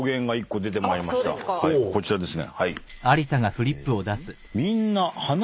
こちらですね。